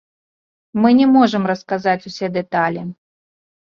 Мы не можам расказваць усе дэталі!